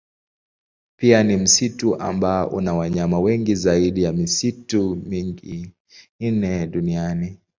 Pia ni msitu ambao una wanyama wengi zaidi ya misitu mingine duniani.